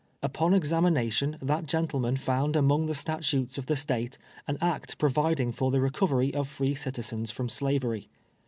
Upon examination, that gentleman found among the statutes of the State an act providing for the re covery of free citizens from slavery.